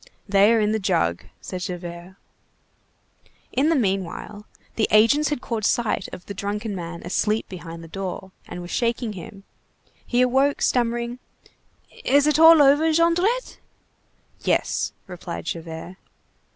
"They are in the jug," said Javert. In the meanwhile, the agents had caught sight of the drunken man asleep behind the door, and were shaking him:— He awoke, stammering:— "Is it all over, Jondrette?" "Yes," replied Javert.